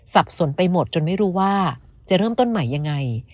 สับสนไปหมดจนไม่รู้ว่าจะเริ่มต้นใหม่ยังไง